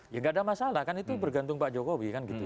ya nggak ada masalah kan itu bergantung pak jokowi kan gitu